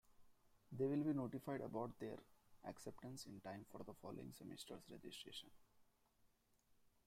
They will be notified about their acceptance in time for the following semester's registration.